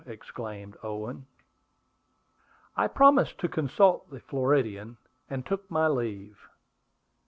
exclaimed Owen. I promised to consult the Floridian, and took my leave.